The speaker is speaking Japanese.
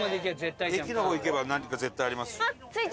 駅の方行けば何か絶対あります。